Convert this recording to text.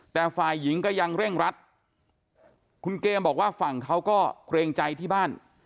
แต่ฝ่ายหญิงก็ยังเร่งรัดคุณเกมบอกว่าฝั่งเขาก็เกรงใจที่บ้าน